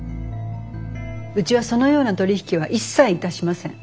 うちはそのような取り引きは一切いたしません。